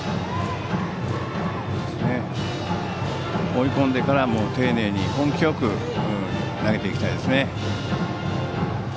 追い込んでから丁寧に、根気よく投げていきたいですね。